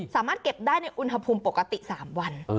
สามารถเก็บได้ในอุณหภูมิปกติ๓วัน